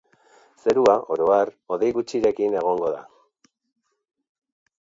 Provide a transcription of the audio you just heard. Zerua, oro har, hodei gutxirekin egongo da.